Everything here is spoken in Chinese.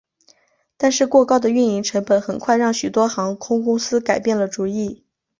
但是过高的运营成本很快让许多航空公司改变了主意。